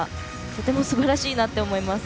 とてもすばらしいなと思います。